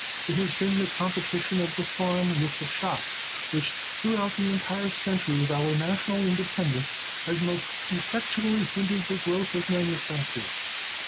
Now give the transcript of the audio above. "It has been the competition of the farm with the shop which, throughout the entire century of our national independence, has most effectually hindered the growth of manufactures.